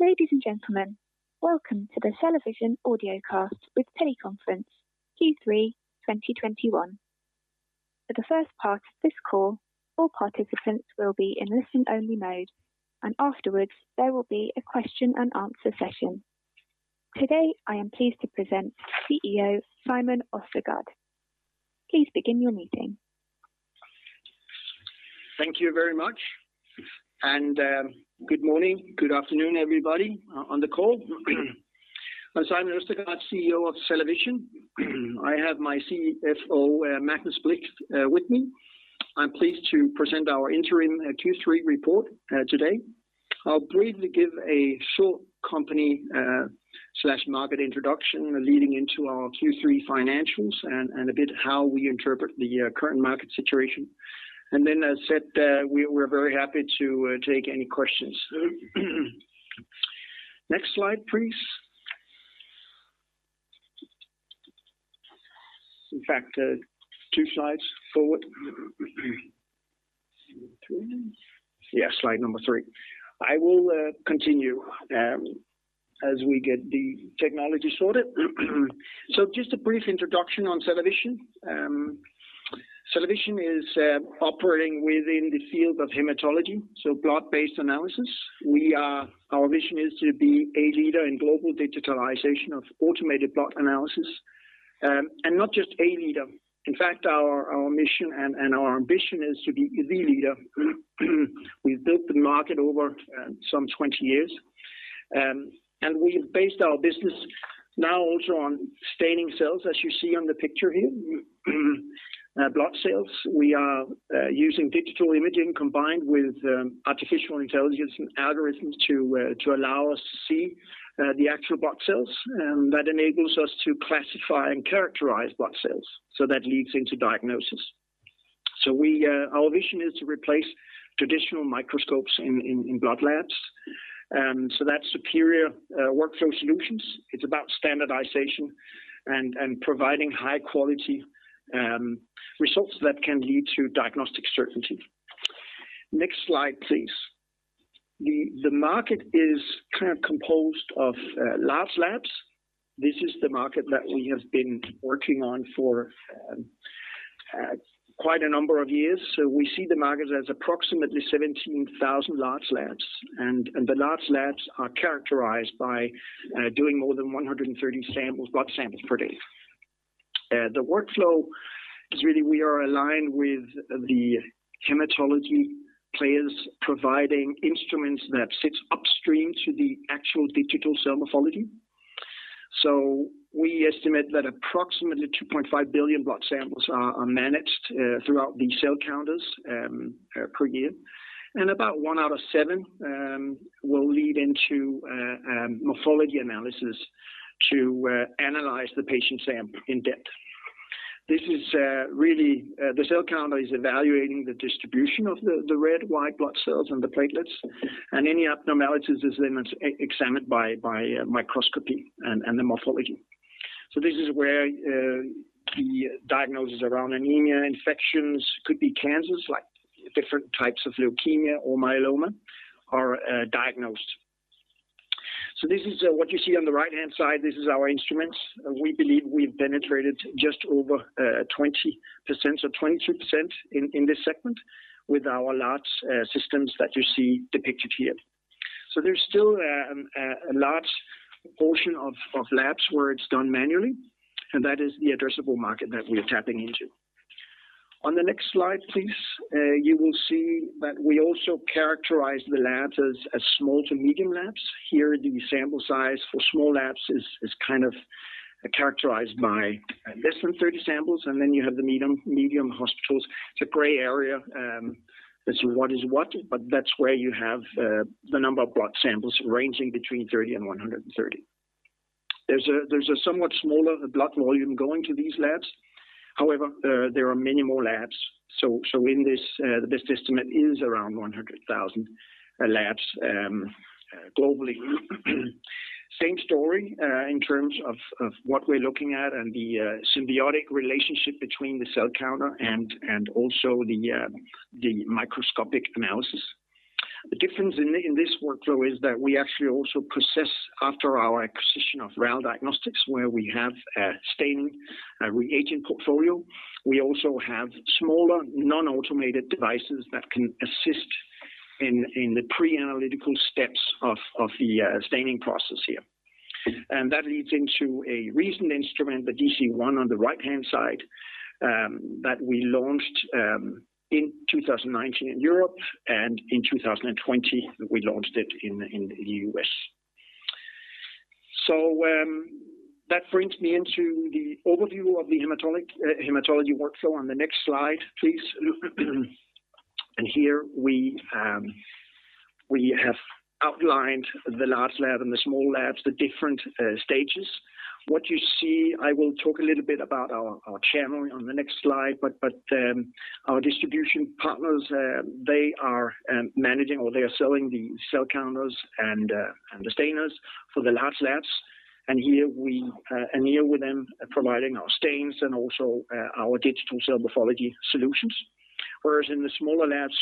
Ladies and gentlemen, Welcome to the CellaVision Audiocast with Teleconference, Q3 2021. For the first part of this call, all participants will be in listen-only mode, and afterwards, there will be a question and answer session. Today, I am pleased to present CEO Simon Østergaard. Thank you very much. Good morning. Good afternoon, everybody on the call. I'm Simon Østergaard, CEO of CellaVision. I have my CFO, Magnus Blixt, with me. I'm pleased to present our interim Q3 report today. I'll briefly give a short company/market introduction leading into our Q3 financials and a bit how we interpret the current market situation. Then, as said, we're very happy to take any questions. Next slide, please. In fact, two slides forward. Two? Slide number three. I will continue as we get the technology sorted. Just a brief introduction on CellaVision. CellaVision is operating within the field of hematology, so blood-based analysis. Our mission is to be a leader in global digitalization of automated blood analysis. Not just a leader, in fact, our mission and our ambition is to be the leader. We've built the market over some 20 years, and we've based our business now also on staining cells, as you see on the picture here, blood cells. We are using digital imaging combined with artificial intelligence and algorithms to allow us to see the actual blood cells. That enables us to classify and characterize blood cells, so that leads into diagnosis. Our vision is to replace traditional microscopes in blood labs. That's superior workflow solutions. It's about standardization and providing high-quality results that can lead to diagnostic certainty. Next slide, please. The market is kind of composed of large labs. This is the market that we have been working on for quite a number of years. We see the market as approximately 17,000 large labs. The large labs are characterized by doing more than 130 blood samples per day. The workflow is really we are aligned with the hematology players providing instruments that sit upstream to the actual digital cell morphology. We estimate that approximately 2.5 billion blood samples are managed throughout these cell counters per year, and about one out of seven will lead into morphology analysis to analyze the patient sample in depth. The cell counter is evaluating the distribution of the red, white blood cells, and the platelets, and any abnormalities are then examined by microscopy and the morphology. This is where the diagnosis around anemia, infections, could be cancers, like different types of leukemia or myeloma, are diagnosed. This is what you see on the right-hand side, this is our instruments. We believe we've penetrated just over 20% or 22% in this segment with our large systems that you see depicted here. There's still a large portion of labs where it's done manually, and that is the addressable market that we are tapping into. On the next slide, please. You will see that we also characterize the labs as small to medium labs. Here, the sample size for small labs is kind of characterized by less than 30 samples, and then you have the medium hospitals. It's a gray area as to what is what, but that's where you have the number of blood samples ranging between 30 and 130. There's a somewhat smaller blood volume going to these labs. There are many more labs. In this, the best estimate is around 100,000 labs globally. Same story, in terms of what we're looking at and the symbiotic relationship between the cell counter and also the microscopic analysis. The difference in this workflow is that we actually also possess, after our acquisition of RAL Diagnostics, where we have a staining reagent portfolio. We also have smaller, non-automated devices that can assist in the pre-analytical steps of the staining process here. That leads into a recent instrument, the DC1, on the right-hand side, that we launched in 2019 in Europe, and in 2020, we launched it in the U.S. That brings me into the overview of the hematology workflow on the next slide, please. Here we have outlined the large lab and the small labs, the different stages. What you see, I will talk a little bit about our channel on the next slide, but our distribution partners, they are managing, or they are selling the cell counters and the stainers for the large labs. Here, we are near with them providing our stains and also our digital cell morphology solutions. Whereas in the smaller labs,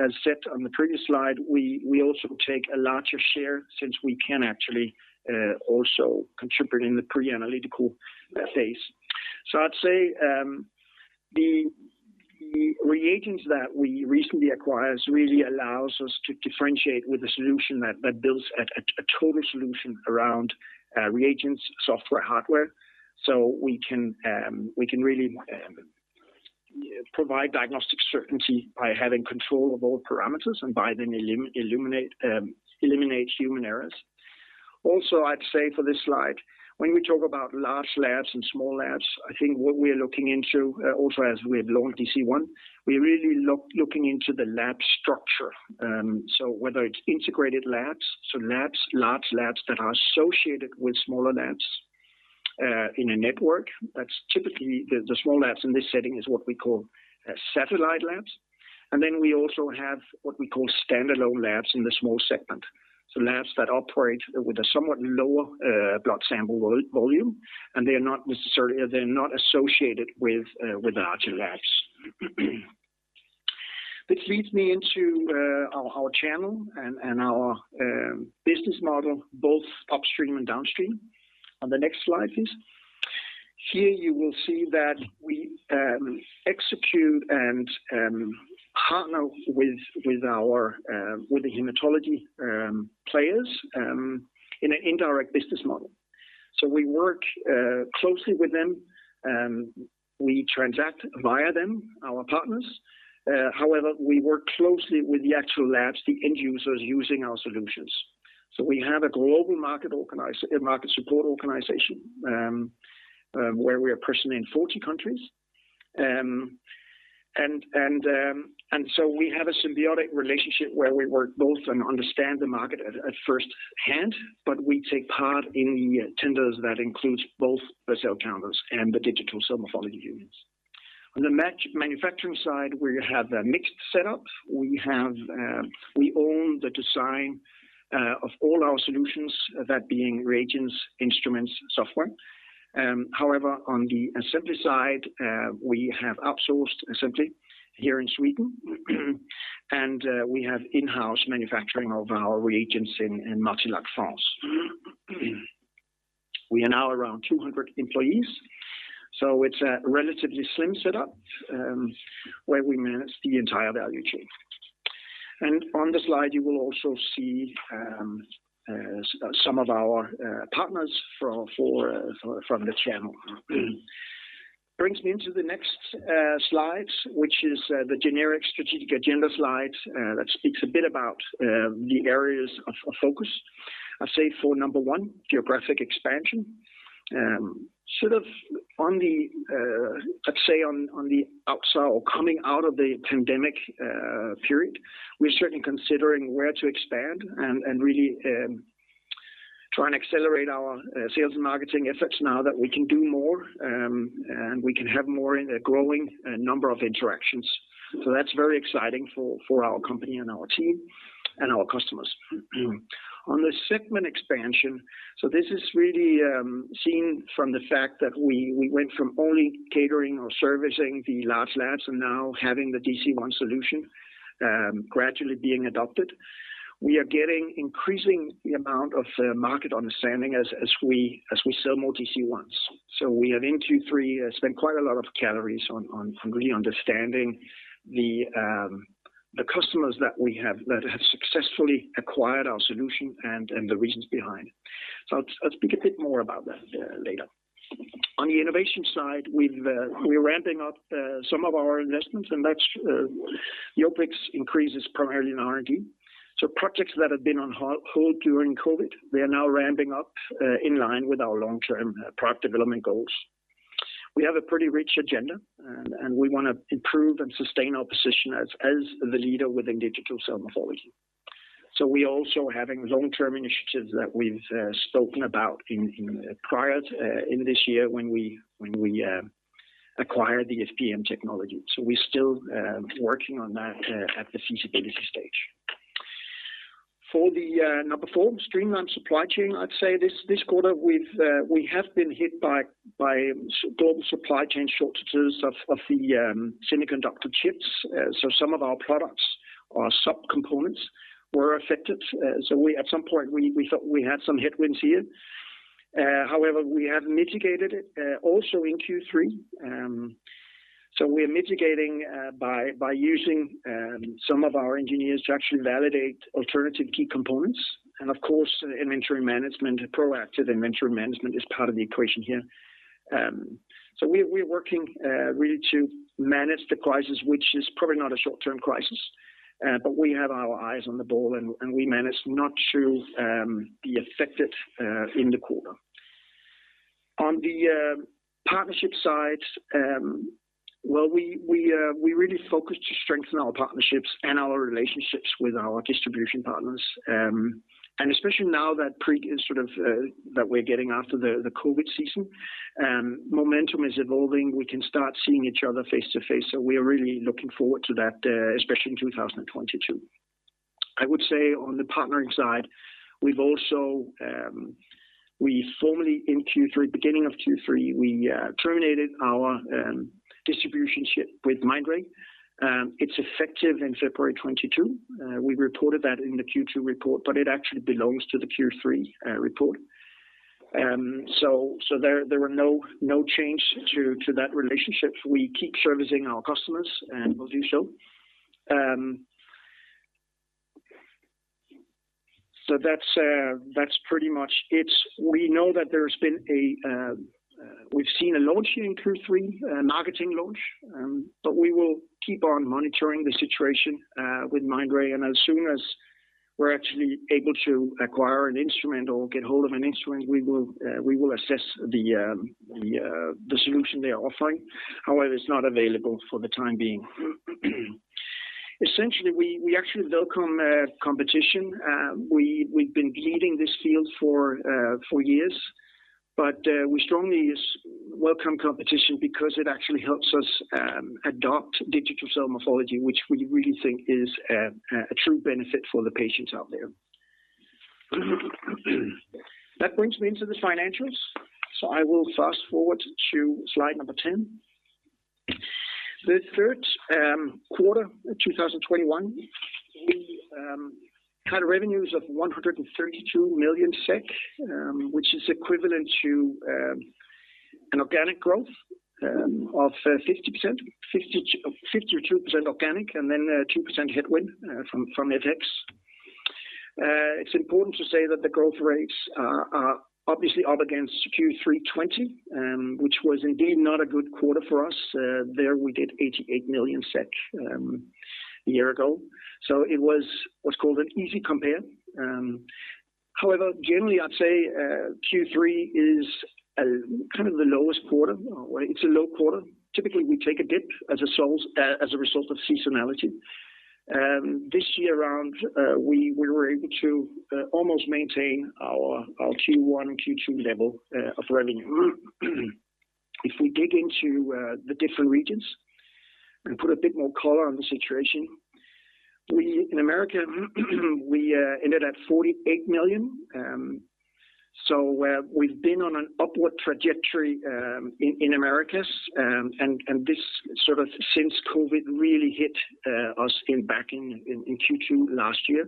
as said on the previous slide, we also take a larger share since we can actually also contribute in the pre-analytical phase. I'd say, the reagents that we recently acquired really allows us to differentiate with a solution that builds a total solution around reagents, software, hardware. We can really provide diagnostic certainty by having control of all parameters and by then eliminate human errors. I'd say for this slide, when we talk about large labs and small labs, I think what we're looking into, also as we have launched DC-1, we're really looking into the lab structure. Whether it's integrated labs, so large labs that are associated with smaller labs in a network. Typically, the small labs in this setting is what we call satellite labs. We also have what we call stand alone labs in the small segment. Labs that operate with a somewhat lower blood sample volume, and they're not associated with larger labs. This leads me into our channel and our business model, both upstream and downstream, on the next slide please. Here you will see that we execute and partner with the hematology players in an indirect business model. We work closely with them. We transact via them, our partners. We work closely with the actual labs, the end users using our solutions. We have a global market support organization, where we are present in 40 countries. We have a symbiotic relationship where we work both and understand the market at first hand, but we take part in the tenders that includes both the cell counters and the digital cell morphology units. On the manufacturing side, we have a mixed setup. We own the design of all our solutions, that being reagents, instruments, software. On the assembly side, we have outsourced assembly here in Sweden. We have in-house manufacturing of our reagents in Martigues, France. We are now around 200 employees, so it's a relatively slim setup, where we manage the entire value chain. On the slide, you will also see some of our partners from the channel. Brings me into the next slides, which is the generic strategic agenda slide that speaks a bit about the areas of focus. I'd say for number one, geographic expansion. Sort of on the upside or coming out of the pandemic period, we're certainly considering where to expand and really try and accelerate our sales and marketing efforts now that we can do more, and we can have more in a growing number of interactions. That's very exciting for our company and our team and our customers. On the segment expansion, so this is really seen from the fact that we went from only catering or servicing the large labs and now having the DC-1 solution gradually being adopted. We are getting increasing the amount of market understanding as we sell more DC-1s. We have in Q3 spent quite a lot of calories on really understanding the customers that have successfully acquired our solution and the reasons behind. I'll speak a bit more about that later. On the innovation side, we're ramping up some of our investments, and that's the OpEx increases primarily in R&D. Projects that have been on hold during COVID, they are now ramping up in line with our long-term product development goals. We have a pretty rich agenda, and we want to improve and sustain our position as the leader within digital cell morphology. We're also having long-term initiatives that we've spoken about prior in this year when we acquired the FPM technology. We're still working on that at the feasibility stage. For the number four, streamlined supply chain, I'd say this quarter, we have been hit by global supply chain shortages of the semiconductor chips. Some of our products or sub-components were affected. At some point, we thought we had some headwinds here. However, we have mitigated it, also in Q3. We are mitigating by using some of our engineers to actually validate alternative key components. Of course, proactive inventory management is part of the equation here. We're working really to manage the crisis, which is probably not a short-term crisis. We have our eyes on the ball, and we managed not to be affected in the quarter. On the partnership side, we really focus to strengthen our partnerships and our relationships with our distribution partners. Especially now that we're getting after the COVID season, momentum is evolving. We can start seeing each other face-to-face. We're really looking forward to that, especially in 2022. I would say on the partnering side, we formally in Q3, beginning of Q3, we terminated our distributorship with Mindray. It's effective in February 2022. We reported that in the Q2 report, but it actually belongs to the Q3 report. There were no change to that relationship. We keep servicing our customers and will do so. That's pretty much it. We know that we've seen a launch in Q3, a marketing launch, but we will keep on monitoring the situation with Mindray, and as soon as we're actually able to acquire an instrument or get hold of an instrument, we will assess the solution they are offering. However, it's not available for the time being. Essentially, we actually welcome competition. We've been leading this field for years, but we strongly welcome competition because it actually helps us adopt digital cell morphology, which we really think is a true benefit for the patients out there. That brings me into the financials. I will fast-forward to slide number 10. The third quarter of 2021, we had revenues of 132 million SEK, which is equivalent to an organic growth of 50%, 52% organic, and then 2% headwind from FX. It's important to say that the growth rates are obviously up against Q3 2020, which was indeed not a good quarter for us. There we did 88 million SEK a year ago. It was what's called an easy compare. However, generally, I'd say Q3 is kind of the lowest quarter, or it's a low quarter. Typically, we take a dip as a result of seasonality. This year around, we were able to almost maintain our Q1 and Q2 level of revenue. If we dig into the different regions and put a bit more color on the situation, in Americas, we ended at 48 million. We've been on an upward trajectory in Americas, and this sort of since COVID really hit us back in Q2 last year,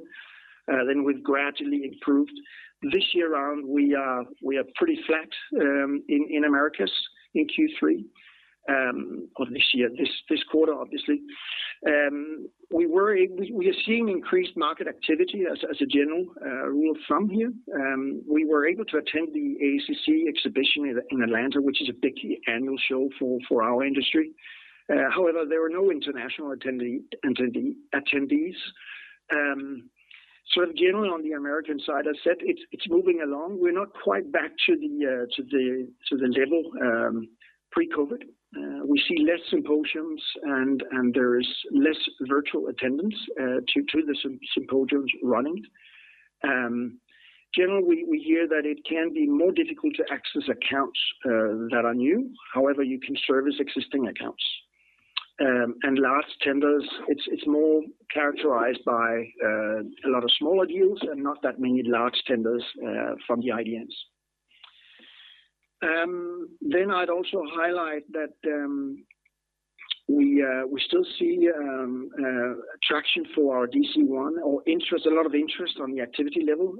then we've gradually improved. This year around, we are pretty flat in Americas in Q3 of this year, this quarter, obviously. We are seeing increased market activity as a general rule from here. We were able to attend the AACC exhibition in Atlanta, which is a big annual show for our industry. However, there were no international attendees. Generally, on the American side, as said, it's moving along. We're not quite back to the level pre-COVID. We see less symposiums and there is less virtual attendance to the symposiums running. Generally, we hear that it can be more difficult to access accounts that are new. However, you can service existing accounts. Large tenders, it's more characterized by a lot of smaller deals and not that many large tenders from the IDNs. I'd also highlight that we still see traction for our DC-1 or a lot of interest on the activity level.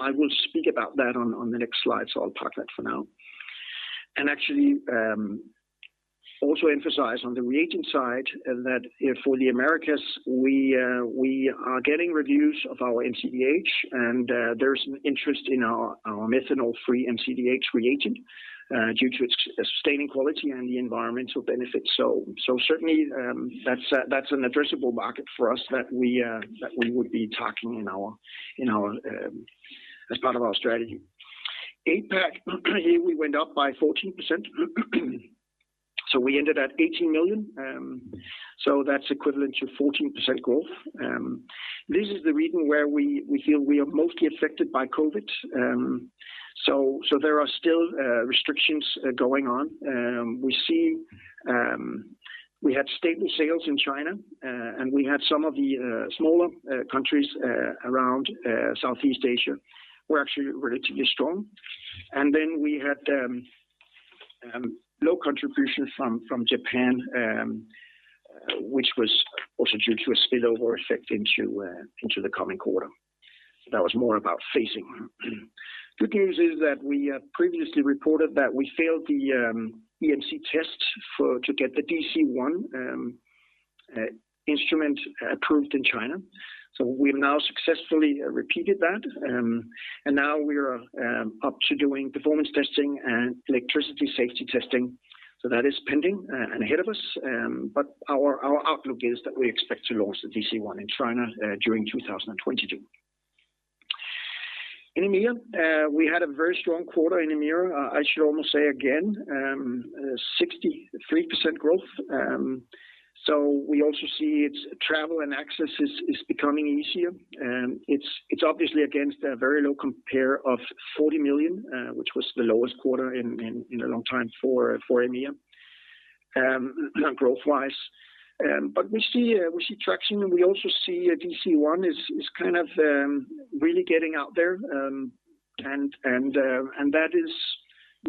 I will speak about that on the next slide, so I'll park that for now. Actually, also emphasize on the reagent side that for the Americas, we are getting reviews of our MCDh, and there's an interest in our methanol-free MCDh reagent due to its sustaining quality and the environmental benefits. Certainly, that's an addressable market for us that we would be talking as part of our strategy. APAC, here we went up by 14%. We ended at 18 million. That's equivalent to 14% growth. This is the region where we feel we are mostly affected by COVID. There are still restrictions going on. We had stagnant sales in China, and we had some of the smaller countries around Southeast Asia were actually relatively strong. We had low contribution from Japan, which was also due to a spillover effect into the coming quarter. That was more about phasing. Good news is that we previously reported that we failed the EMC test to get the CellaVision DC-1 instrument approved in China. We've now successfully repeated that. Now we're up to doing performance testing and electricity safety testing. That is pending and ahead of us. Our outlook is that we expect to launch the CellaVision DC-1 in China during 2022. In EMEA, we had a very strong quarter in EMEA, I should almost say again, 63% growth. We also see travel and access is becoming easier. It's obviously against a very low compare of 40 million, which was the lowest quarter in a long time for EMEA, growth-wise. We see traction and we also see DC-1 is really getting out there, and that is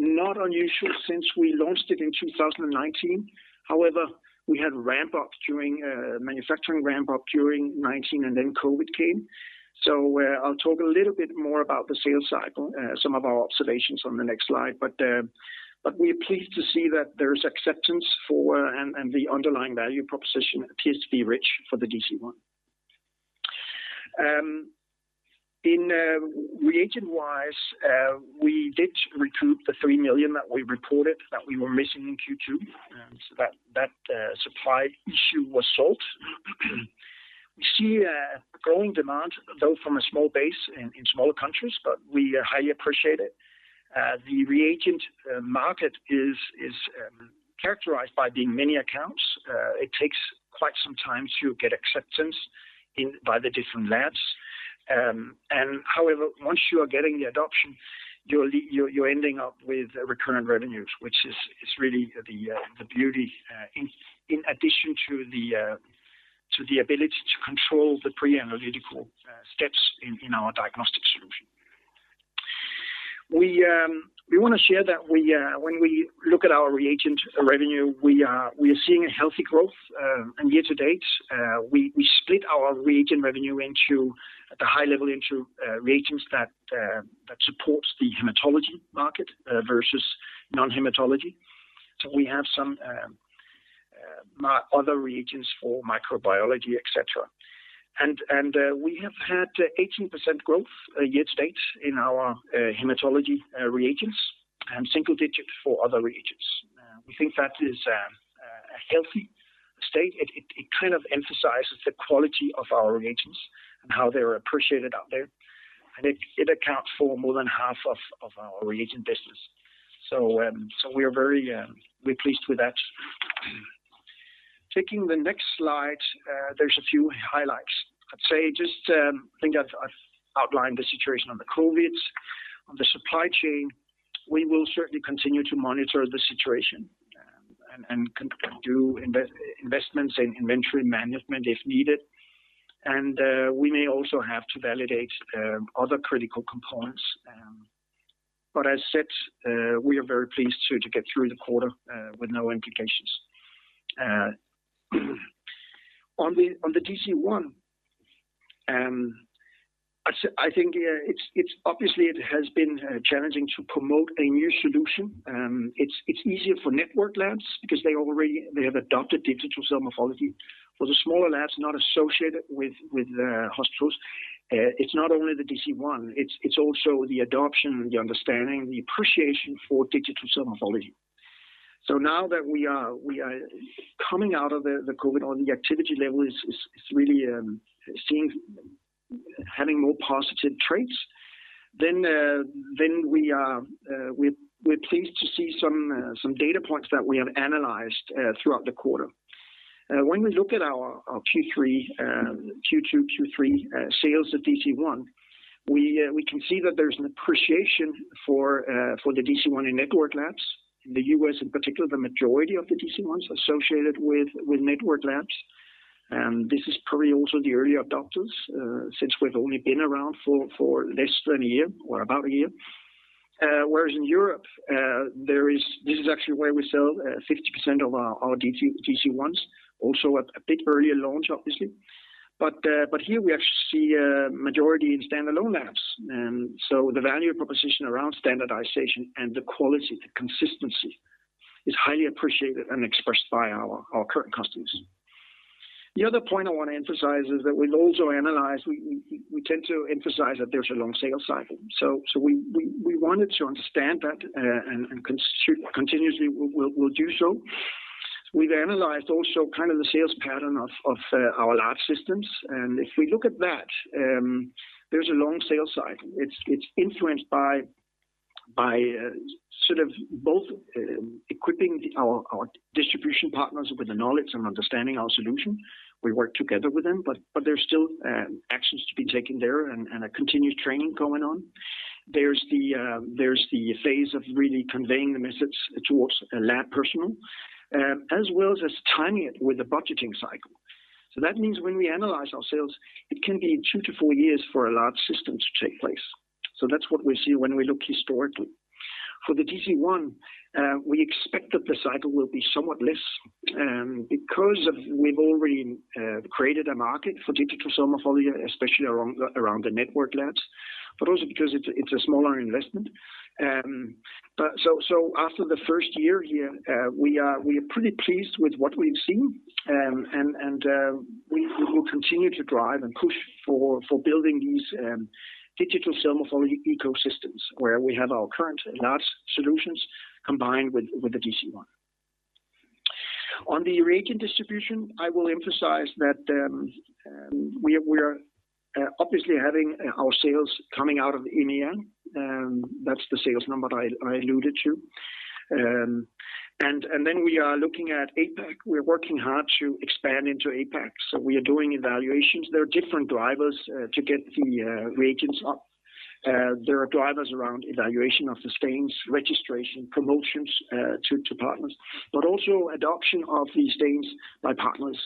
not unusual since we launched it in 2019. However, we had manufacturing ramp up during 2019 and then COVID came. I'll talk a little bit more about the sales cycle, some of our observations on the next slide. We are pleased to see that there's acceptance for, and the underlying value proposition appears to be rich for the DC-1. Reagent-wise, we did recoup the 3 million that we reported that we were missing in Q2. That supply issue was solved. We see a growing demand, though from a small base in smaller countries, but we highly appreciate it. The reagent market is characterized by being many accounts. It takes quite some time to get acceptance by the different labs. However, once you are getting the adoption, you're ending up with recurrent revenues, which is really the beauty, in addition to the ability to control the pre-analytical steps in our diagnostic solution. We want to share that when we look at our reagent revenue, we are seeing a healthy growth. Year to date, we split our reagent revenue at the high level into reagents that support the hematology market versus non-hematology. We have some other reagents for microbiology, et cetera. We have had 18% growth year to date in our hematology reagents, and single digit for other reagents. We think that is a healthy state. It kind of emphasizes the quality of our reagents and how they're appreciated out there. It accounts for more than half of our reagent business. We are very pleased with that. Taking the next slide, there's a few highlights. I'd say just think I've outlined the situation on the COVID. On the supply chain, we will certainly continue to monitor the situation and do investments in inventory management if needed. We may also have to validate other critical components. As said, we are very pleased to get through the quarter with no implications. On the DC-1, obviously it has been challenging to promote a new solution. It's easier for network labs because they have adopted digital cell morphology. For the smaller labs not associated with hospitals, it's not only the DC-1, it's also the adoption, the understanding, the appreciation for digital cell morphology. Now that we are coming out of the COVID, or the activity level is really having more positive traits, then we're pleased to see some data points that we have analyzed throughout the quarter. When we look at our Q2, Q3 sales of DC-1, we can see that there's an appreciation for the DC-1 in network labs. In the U.S. in particular, the majority of the DC-1s associated with network labs. This is probably also the early adopters, since we've only been around for less than a year or about a year. Whereas in Europe, this is actually where we sell 50% of our DC-1s. Also a bit earlier launch, obviously. Here we actually see a majority in standalone labs. The value proposition around standardization and the quality, the consistency is highly appreciated and expressed by our current customers. The other point I want to emphasize is that we tend to emphasize that there's a long sales cycle. We wanted to understand that, and continuously we'll do so. We've analyzed also kind of the sales pattern of our lab systems, and if we look at that, there's a long sales cycle. It's influenced by sort of both equipping our distribution partners with the knowledge and understanding our solution. We work together with them, there's still actions to be taken there and a continued training going on. There's the phase of really conveying the message towards lab personnel, as well as timing it with the budgeting cycle. That means when we analyze our sales, it can be two to four years for a large system to take place. That's what we see when we look historically. For the DC-1, we expect that the cycle will be somewhat less, because we've already created a market for digital cell morphology, especially around the network labs, but also because it's a smaller investment. After the first year here, we are pretty pleased with what we've seen, and we will continue to drive and push for building these digital cell morphology ecosystems where we have our current large solutions combined with the DC-1. On the reagent distribution, I will emphasize that we are obviously having our sales coming out of EMEA, that's the sales number I alluded to. We are looking at APAC. We're working hard to expand into APAC, so we are doing evaluations. There are different drivers to get the reagents up. There are drivers around evaluation of the stains, registration, promotions to partners, but also adoption of these stains by partners.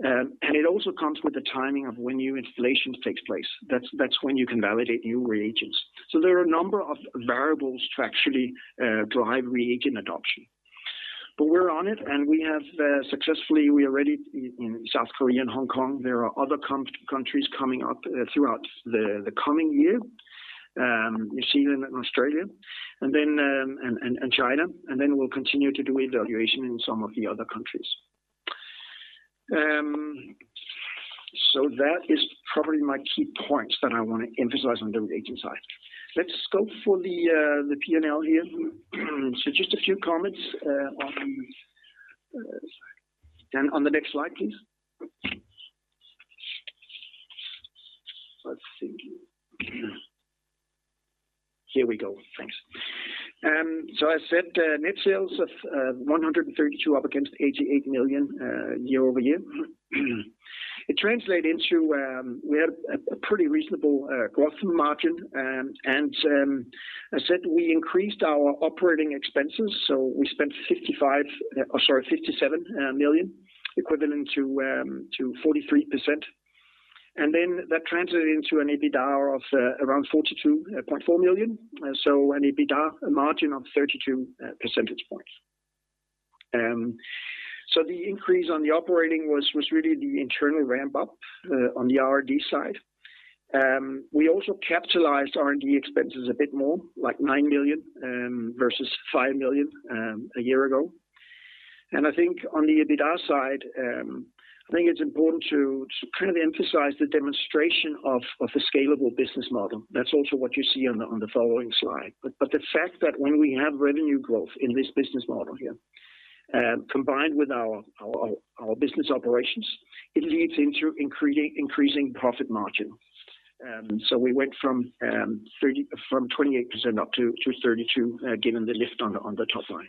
It also comes with the timing of when new installations take place. That's when you can validate new reagents. There are a number of variables to actually drive reagent adoption. We're on it, and we already in South Korea and Hong Kong. There are other countries coming up throughout the coming year. New Zealand and Australia and China. Then we'll continue to do evaluation in some of the other countries. That is probably my key points that I want to emphasize on the reagent side. Let's scope for the P&L here. Just a few comments on the. On the next slide, please. Let's see. Here we go. Thanks. I said net sales of 132 million up against 88 million year-over-year. We had a pretty reasonable growth margin. As said, we increased our operating expenses, we spent 57 million, equivalent to 43%. That translated into an EBITDA of around 42.4 million. An EBITDA margin of 32 percentage points. The increase on the operating was really the internal ramp up on the R&D side. We also capitalized R&D expenses a bit more, like 9 million versus 5 million a year ago. I think on the EBITDA side, I think it is important to kind of emphasize the demonstration of the scalable business model. That is also what you see on the following slide. The fact that when we have revenue growth in this business model here, combined with our business operations, it leads into increasing profit margin. We went from 28% up to 32%, given the lift on the top line.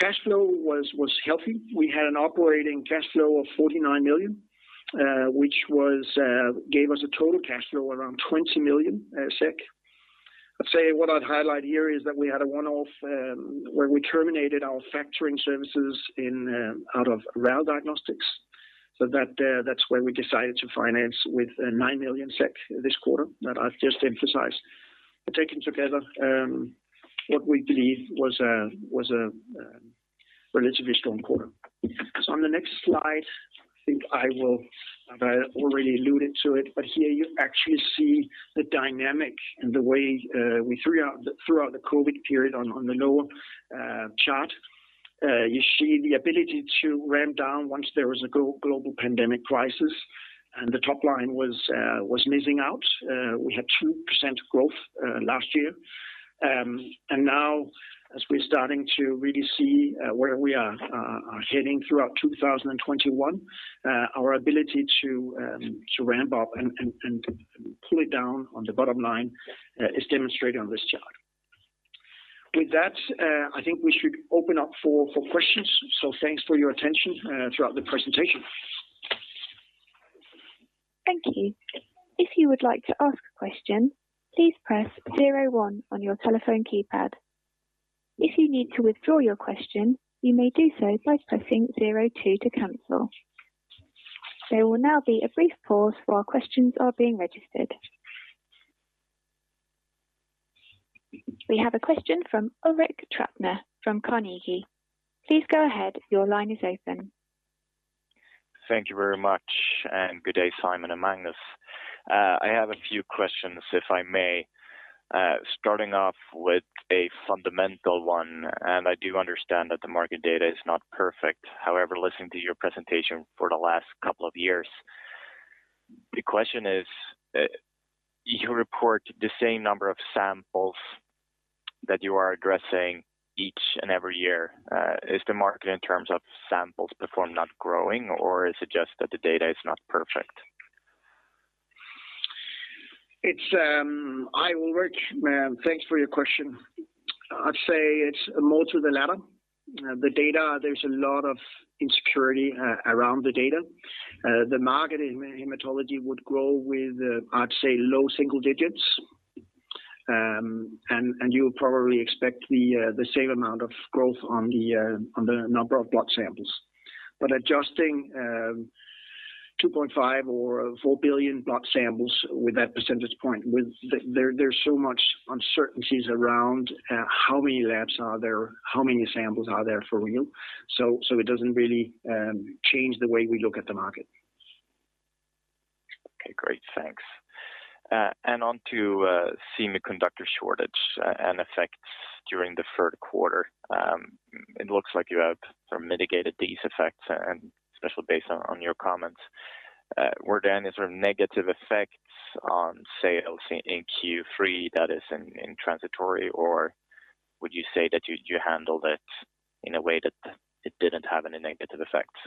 Cash flow was healthy. We had an operating cash flow of 49 million, which gave us a total cash flow around 20 million SEK. I'd say what I'd highlight here is that we had a one-off where we terminated our factoring services out of RAL Diagnostics. That's where we decided to finance with 9 million SEK this quarter that I've just emphasized. Taken together, what we believe was a relatively strong quarter. On the next slide, I think I will have already alluded to it, but here you actually see the dynamic and the way we, throughout the COVID period on the lower chart. You see the ability to ramp down once there was a global pandemic crisis and the top line was missing out. We had 2% growth last year. Now as we're starting to really see where we are heading throughout 2021, our ability to ramp up and pull it down on the bottom line is demonstrated on this chart. With that, I think we should open up for questions. Thanks for your attention throughout the presentation. Thank you. If you would like to ask a question, please press zero, one on your telephone keypad. If you need to withdraw your question, you may do so by pressing zero, two to cancel. There will now be a brief pause while questions are being registered. We have a question from Ulrik Trattner from Carnegie. Please go ahead. Your line is open. Thank you very much, and good day, Simon and Magnus. I have a few questions, if I may, starting off with a fundamental one, and I do understand that the market data is not perfect. However, listening to your presentation for the last couple of years, the question is, you report the same number of samples that you are addressing each and every year. Is the market in terms of samples performed not growing, or is it just that the data is not perfect? Hi, Ulrik. Thanks for your question. I'd say it's more to the latter. The data, there's a lot of insecurity around the data. The market in hematology would grow with, I'd say, low single digits. You would probably expect the same amount of growth on the number of blood samples. Adjusting 2.5 billion or 4 billion blood samples with that percentage point, there's so much uncertainties around how many labs are there, how many samples are there for real. It doesn't really change the way we look at the market. Okay, great. Thanks. On to semiconductor shortage and effects during the third quarter. It looks like you have sort of mitigated these effects, and especially based on your comments. Were there any sort of negative effects on sales in Q3 that is in transitory, or would you say that you handled it in a way that it didn't have any negative effects?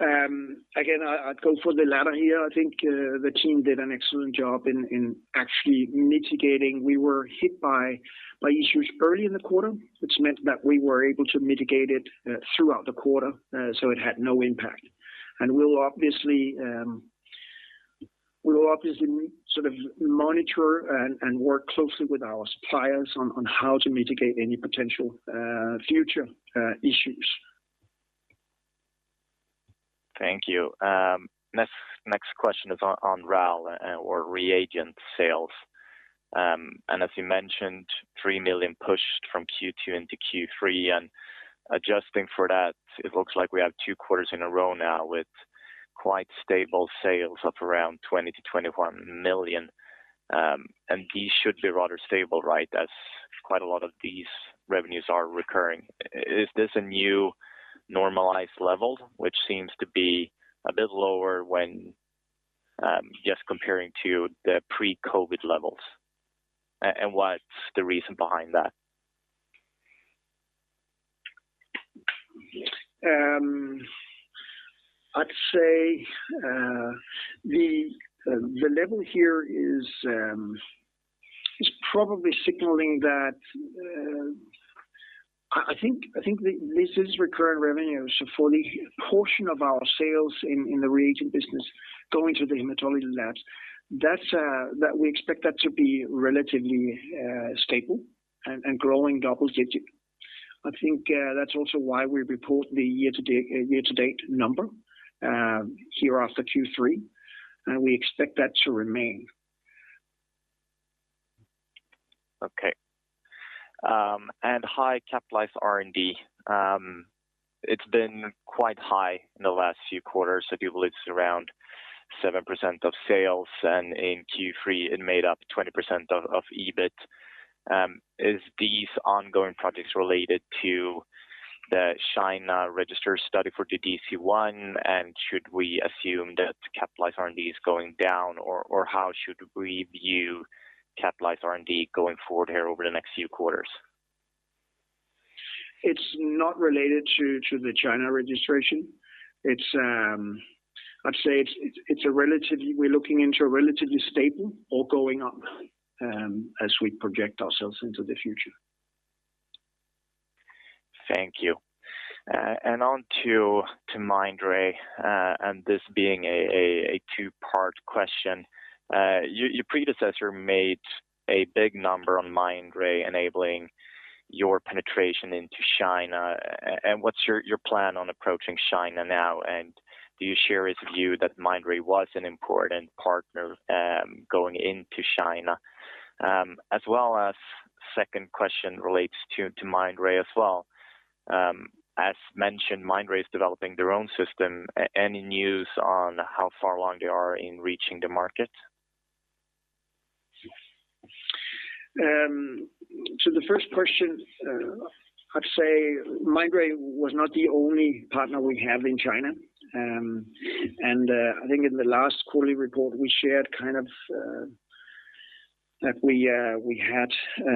I'd go for the latter here. I think the team did an excellent job in actually mitigating. We were hit by issues early in the quarter, which meant that we were able to mitigate it throughout the quarter, so it had no impact. We will obviously sort of monitor and work closely with our suppliers on how to mitigate any potential future issues. Thank you. Next question is on RAL or reagent sales. As you mentioned, 3 million pushed from Q2 into Q3, and adjusting for that, it looks like we have two quarters in a row now with quite stable sales of around 20 million-21 million. These should be rather stable, right? As quite a lot of these revenues are recurring. Is this a new normalized level, which seems to be a bit lower when just comparing to the pre-COVID levels? What's the reason behind that? I'd say the level here is probably signaling that, I think, this is recurring revenue. For the portion of our sales in the reagent business going to the hematology labs, we expect that to be relatively stable and growing double digits. I think that's also why we report the year-to-date number here after Q3, and we expect that to remain. Okay. High capitalized R&D. It's been quite high in the last few quarters. If you believe it's around 7% of sales, and in Q3 it made up 20% of EBIT. Is these ongoing projects related to the China register study for the DC-1, and should we assume that capitalized R&D is going down, or how should we view capitalized R&D going forward here over the next few quarters? It's not related to the China registration. I'd say we're looking into a relatively stable or going up as we project ourselves into the future. Thank you. On to Mindray, and this being a two part question. Your predecessor made a big number on Mindray enabling your penetration into China. What's your plan on approaching China now? Do you share his view that Mindray was an important partner going into China? As well as 2nd question relates to Mindray as well. As mentioned, Mindray's developing their own system. Any news on how far along they are in reaching the market? The first question, I'd say Mindray was not the only partner we have in China. I think in the last quarterly report, we shared kind of that we had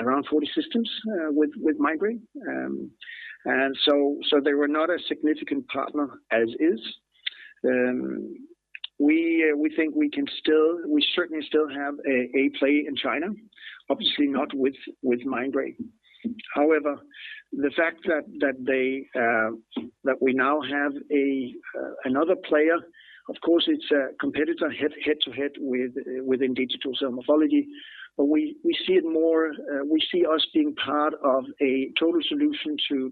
around 40 systems with Mindray. They were not a significant partner as is. We think we certainly still have a play in China, obviously not with Mindray. However, the fact that we now have another player, of course, it's a competitor head to head within digital cell morphology. We see us being part of a total solution to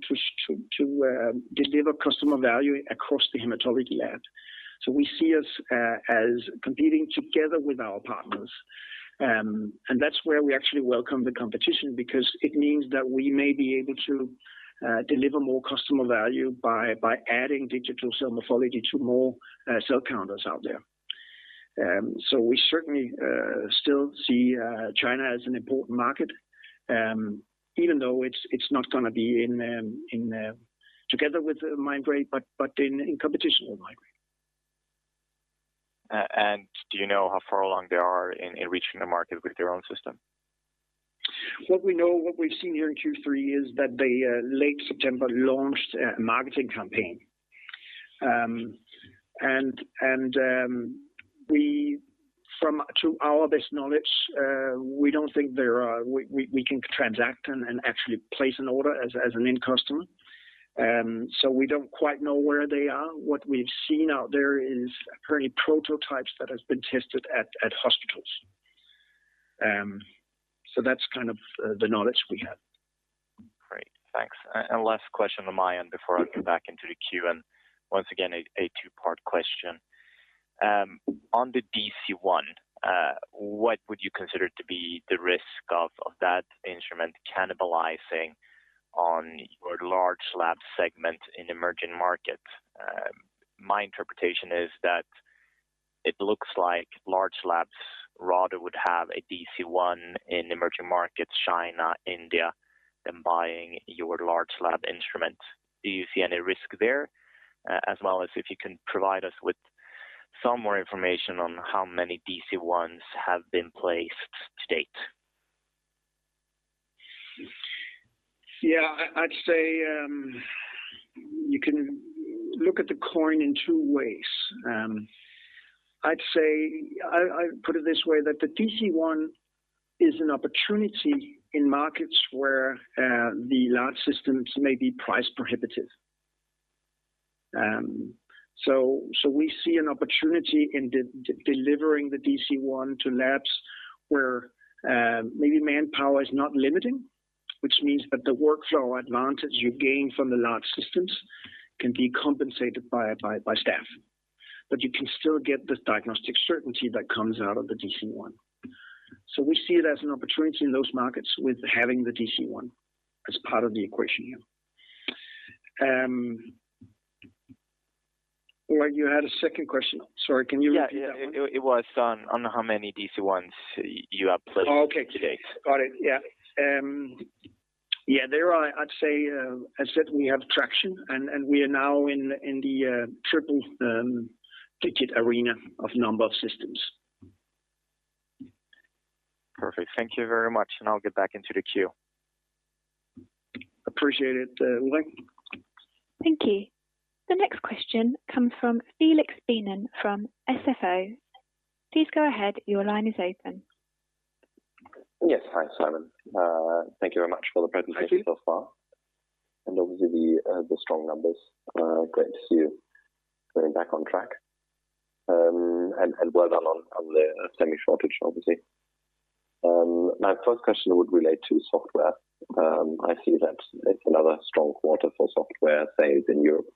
deliver customer value across the hematology lab. We see us as competing together with our partners. That's where we actually welcome the competition because it means that we may be able to deliver more customer value by adding digital cell morphology to more cell counters out there. We certainly still see China as an important market, even though it's not going to be together with Mindray, but in competition with Mindray. Do you know how far along they are in reaching the market with their own system? What we know, what we've seen here in Q3 is that they late September launched a marketing campaign. To our best knowledge, we don't think we can transact and actually place an order as an end customer. We don't quite know where they are. What we've seen out there is apparently prototypes that has been tested at hospitals. That's kind of the knowledge we have. Great. Thanks. Last question on my end before I hand back into the queue, once again, a two part question. On the DC-1, what would you consider to be the risk of that instrument cannibalizing on your large lab segment in emerging markets? My interpretation is that it looks like large labs rather would have a DC-1 in emerging markets, China, India, than buying your large lab instrument. Do you see any risk there? As well as if you can provide us with some more information on how many DC-1s have been placed to date? Yeah. I'd say you can look at the coin in two ways. I'd say I put it this way, that the DC-1 is an opportunity in markets where the large systems may be price prohibitive. We see an opportunity in delivering the DC-1 to labs where maybe manpower is not limiting, which means that the workflow advantage you gain from the large systems can be compensated by staff, but you can still get the diagnostic certainty that comes out of the DC-1. We see it as an opportunity in those markets with having the DC-1 as part of the equation here. You had a second question. Sorry, can you repeat that one? Yeah. It was on how many DC-1s you have placed to date. Okay. Got it. Yeah. There, I'd say, as I said, we have traction, and we are now in the triple digit arena of number of systems. Perfect. Thank you very much. I'll get back into the queue. Appreciate it, Ulrik. Thank you. The next question comes from Felix Beenen from SFO. Yes. Hi, Simon. Thank you very much for the presentation so far. Obviously the strong numbers. Great to see you getting back on track. Well done on the semi shortage, obviously. My first question would relate to software. I see that it's another strong quarter for software sales in Europe.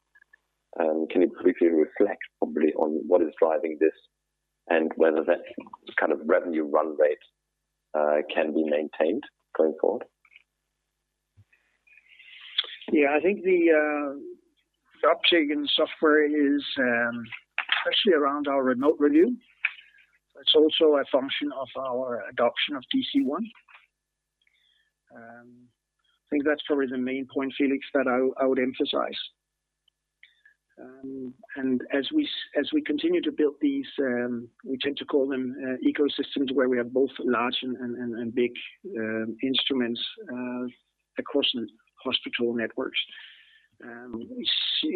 Can you briefly reflect probably on what is driving this? Whether that kind of revenue run rate can be maintained going forward? Yeah, I think the uptake in software is especially around our remote review. It's also a function of our adoption of DC-1. I think that's probably the main point, Felix, that I would emphasize. As we continue to build these, we tend to call them ecosystems, where we have both large and big instruments across hospital networks.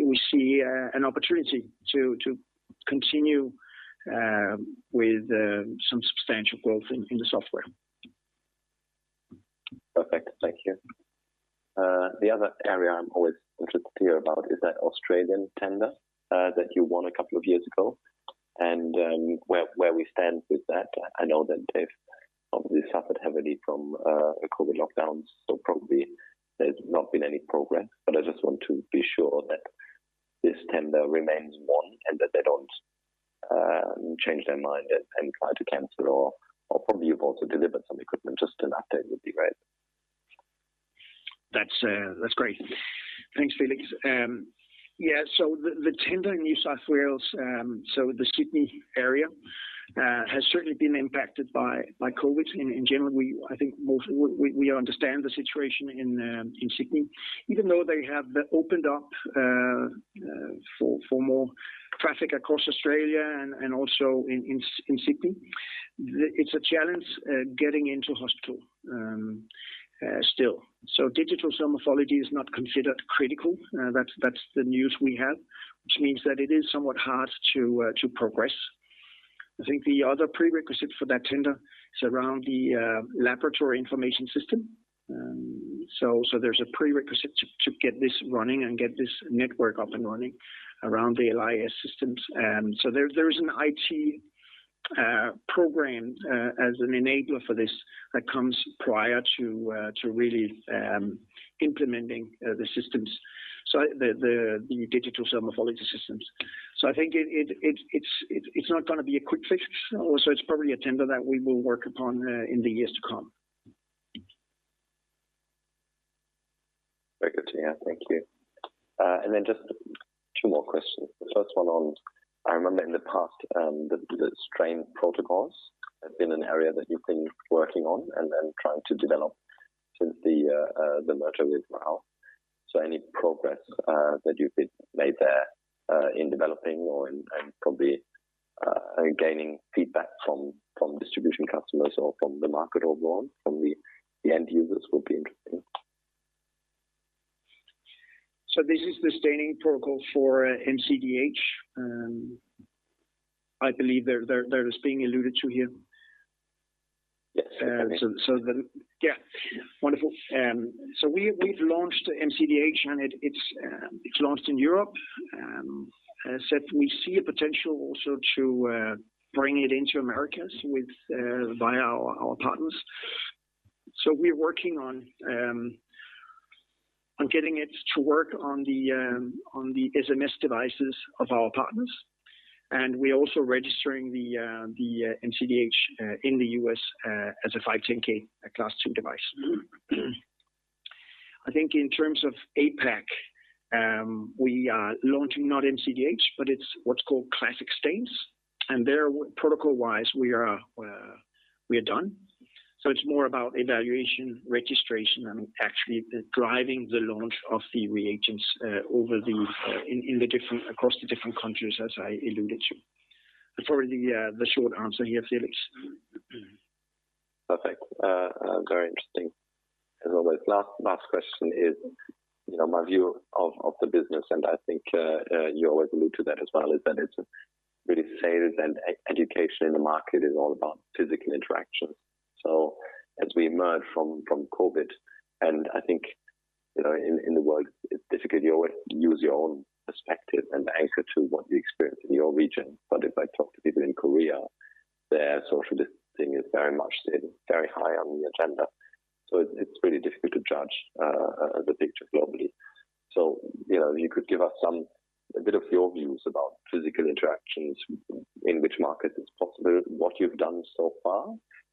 We see an opportunity to continue with some substantial growth in the software. Perfect. Thank you. The other area I'm always interested to hear about is that Australian tender that you won a couple of years ago, and where we stand with that. I know that they've obviously suffered heavily from COVID lockdowns. Probably there's not been any progress. I just want to be sure that this tender remains won and that they don't change their mind and try to cancel, or probably you've also delivered some equipment. Just an update would be great. That's great. Thanks, Felix. So the tender in New South Wales, the Sydney area, has certainly been impacted by COVID. In general, I think mostly we understand the situation in Sydney. Even though they have opened up for more traffic across Australia and also in Sydney, it's a challenge getting into hospital still. Digital cell morphology is not considered critical. That's the news we have, which means that it is somewhat hard to progress. I think the other prerequisite for that tender is around the laboratory information system. There's a prerequisite to get this running and get this network up and running around the LIS systems. There is an IT program as an enabler for this that comes prior to really implementing the systems, the digital cell morphology systems. I think it's not going to be a quick fix. It's probably a tender that we will work upon in the years to come. Very good. Yeah. Thank you. Just two more questions. The first one on, I remember in the past, the stain protocols have been an area that you've been working on and trying to develop since the merger with RAL. Any progress that you've made there in developing or in probably gaining feedback from distribution customers or from the market overall, from the end users, will be interesting. This is the staining protocol for MCDh I believe that is being alluded to here. Yes. Yeah. Wonderful. We've launched MCDh, and it's launched in Europe. As I said, we see a potential also to bring it into Americas via our partners. We're working on getting it to work on the SMS devices of our partners, and we're also registering the MCDh in the U.S. as a 510(k) Class 2 device. I think in terms of APAC, we are launching not MCDh, but it's what's called classic stains, and there, protocol-wise, we are done. It's more about evaluation, registration, and actually driving the launch of the reagents across the different countries, as I alluded to. Sorry, the short answer here, Felix. Perfect. Very interesting as always. Last question is my view of the business, and I think you always allude to that as well, is that it's a really saying is that education in the market is all about physical interaction. As we emerge from COVID, and I think, in the world, it's difficult. You always use your own perspective and anchor to what you experience in your region. If I talk to people in Korea, their social distancing is very much still very high on the agenda. It's really difficult to judge the picture globally. If you could give us a bit of your views about physical interactions, in which markets it's possible, what you've done so far,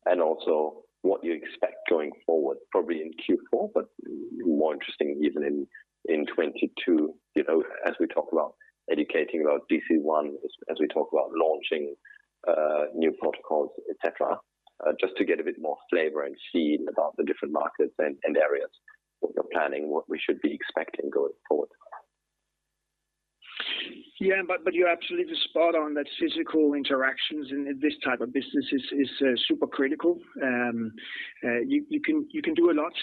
and also what you expect going forward, probably in Q4, but more interesting, even in 2022. As we talk about educating about DC-1, as we talk about launching new protocols, et cetera, just to get a bit more flavor and see about the different markets and areas that you're planning, what we should be expecting going forward? Yeah, you're absolutely spot on that physical interactions in this type of business is super critical. You can do a lot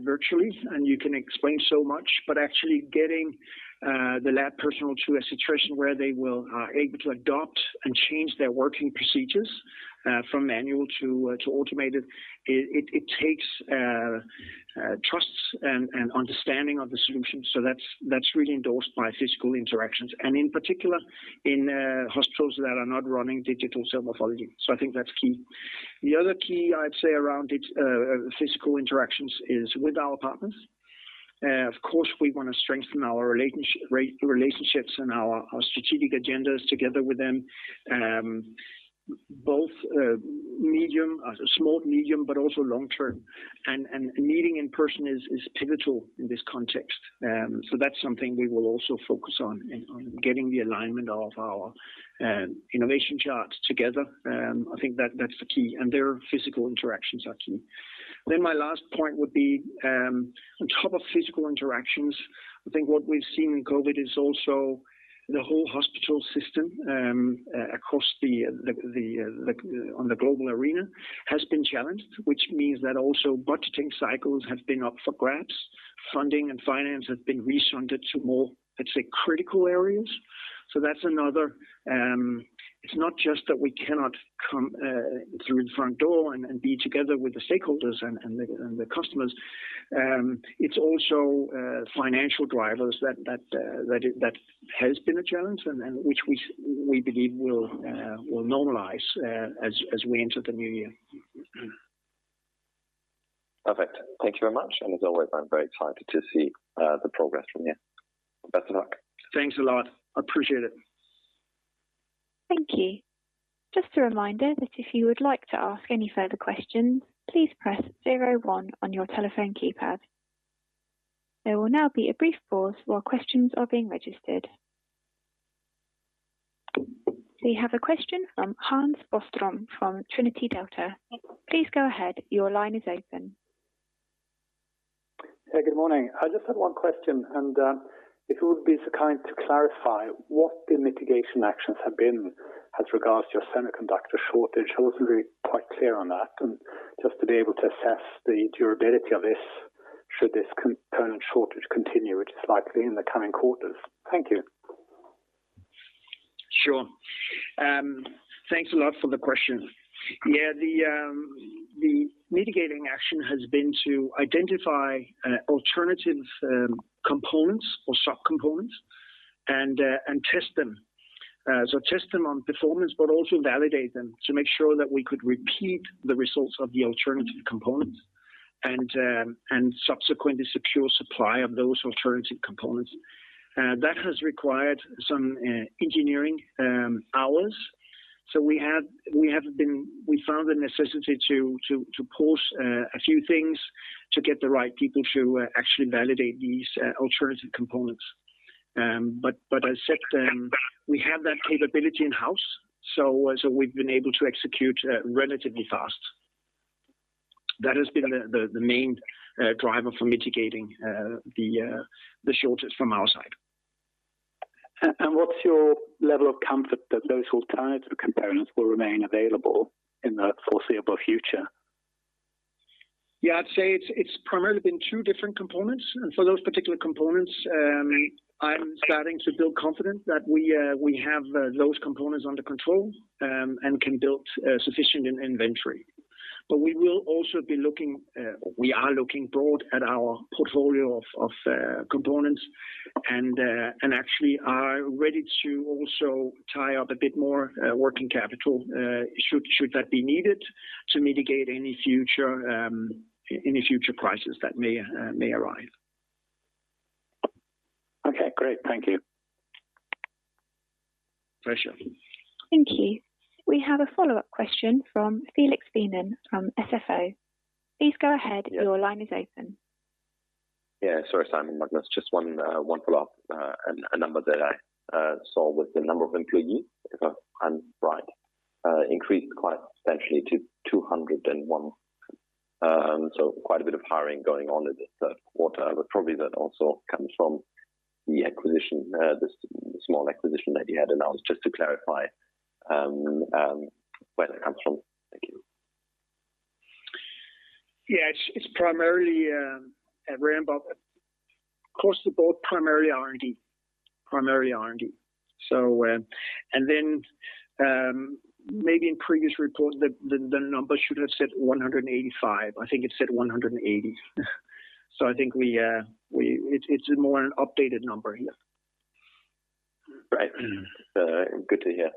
virtually, and you can explain so much, but actually getting the lab personnel to a situation where they will able to adopt and change their working procedures from manual to automated. It takes trust and understanding of the solution. That's really endorsed by physical interactions, and in particular, in hospitals that are not running digital cell morphology. I think that's key. The other key I'd say around it, physical interactions, is with our partners. Of course, we want to strengthen our relationships and our strategic agendas together with them, both small, medium, but also long term. Meeting in person is pivotal in this context. That's something we will also focus on in getting the alignment of our innovation charts together. I think that's the key, and their physical interactions are key. My last point would be, on top of physical interactions, I think what we've seen in COVID is also the whole hospital system, across on the global arena, has been challenged, which means that also budgeting cycles have been up for grabs. Funding and finance has been re-centered to more, I'd say, critical areas. That's another. It's not just that we cannot come through the front door and be together with the stakeholders and the customers. It's also financial drivers that has been a challenge and which we believe will normalize as we enter the new year. Perfect. Thank you very much. As always, I'm very excited to see the progress from you. Best of luck. Thanks a lot. Appreciate it. Thank you. Just a reminder that if you would like to ask any further questions, please press zero one on your telephone keypad. There will now be a brief pause while questions are being registered. We have a question from Hans Bostrom from Trinity Delta. Please go ahead. Your line is open. Yeah, good morning. I just had one question. If you would be so kind to clarify what the mitigation actions have been as regards to your semi-conductor shortage. I wasn't really quite clear on that. Just to be able to assess the durability of this should this component shortage continue, which is likely in the coming quarters. Thank you. Sure. Thanks a lot for the question. Yeah, the mitigating action has been to identify alternative components or sub-components and test them. Test them on performance, but also validate them to make sure that we could repeat the results of the alternative components, and subsequently secure supply of those alternative components. That has required some engineering hours. We found the necessity to pause a few things to get the right people to actually validate these alternative components. As said, we have that capability in-house, so we've been able to execute relatively fast. That has been the main driver for mitigating the shortage from our side. What's your level of comfort that those alternative components will remain available in the foreseeable future? I'd say it's primarily been two different components. For those particular components, I'm starting to build confidence that we have those components under control and can build sufficient inventory. We are looking broad at our portfolio of components and actually are ready to also tie up a bit more working capital, should that be needed to mitigate any future crisis that may arrive. Okay, great. Thank you. Pleasure. Thank you. We have a follow-up question from Felix Beenen from SFO. Please go ahead. Your line is open. Yeah, sorry, Simon. Just one follow-up. A number that I saw was the number of employees, if I'm right, increased quite substantially to 201. Quite a bit of hiring going on in the third quarter, but probably that also comes from the acquisition, the small acquisition that you had announced, just to clarify where that comes from? Thank you. Yeah. It's across the board, primarily R&D. Maybe in previous reports, the number should have said 185. I think it said 180. I think it's a more updated number here. Right. Good to hear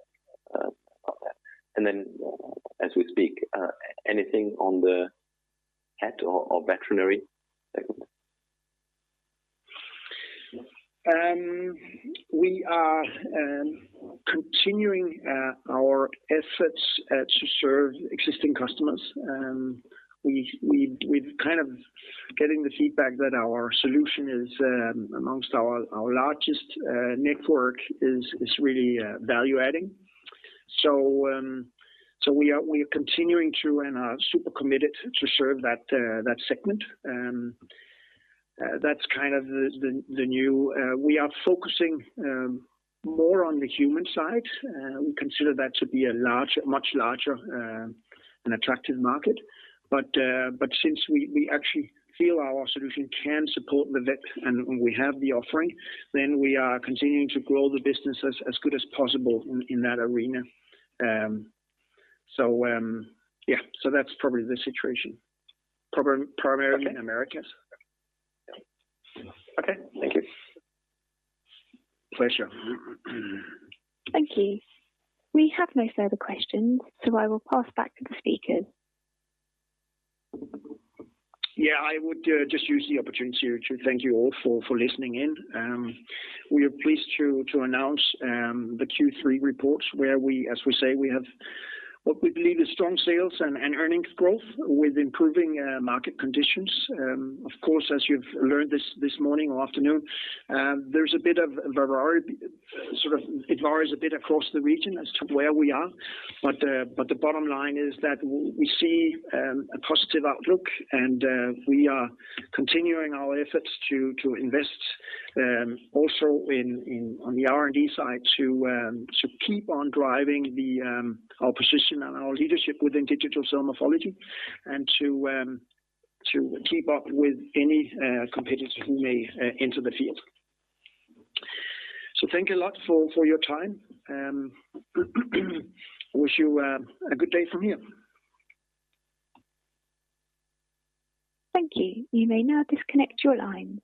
about that. As we speak, anything on the pet or veterinary segment? We are continuing our efforts to serve existing customers. We're kind of getting the feedback that our solution is amongst our largest network, is really value-adding. We are continuing to and are super committed to serve that segment. We are focusing more on the human side. We consider that to be a much larger and attractive market. Since we actually feel our solution can support the vet and we have the offering, we are continuing to grow the business as good as possible in that arena. Yeah, that's probably the situation, primarily in Americas. Okay. Thank you. Pleasure. Thank you. We have no further questions, so I will pass back to the speakers. Yeah, I would just use the opportunity to thank you all for listening in. We are pleased to announce the Q3 reports where we, as we say, we have what we believe is strong sales and earnings growth with improving market conditions. Of course, as you've learned this morning or afternoon, it varies a bit across the region as to where we are. The bottom line is that we see a positive outlook, and we are continuing our efforts to invest also on the R&D side to keep on driving our position and our leadership within digital cell morphology and to keep up with any competitor who may enter the field. Thank you a lot for your time. Wish you a good day from here. Thank you. You may now disconnect your lines.